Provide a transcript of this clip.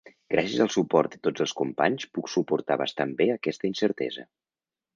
Gràcies al suport de tots els companys puc suportar bastant bé aquesta incertesa.